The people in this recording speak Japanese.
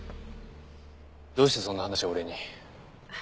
どうしてそんな話を俺に？